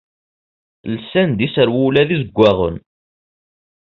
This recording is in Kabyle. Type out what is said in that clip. Lsan-d iserwula d izeggaɣen.